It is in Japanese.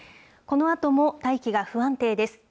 このあとも大気が不安定です。